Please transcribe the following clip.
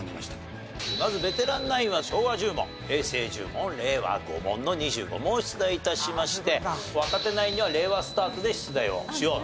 まずベテランナインは昭和１０問平成１０問令和５問の２５問を出題致しまして若手ナインには令和スタートで出題をしようと思います。